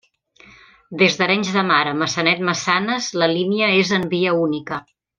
Des d'Arenys de Mar a Maçanet-Massanes la línia és en via única.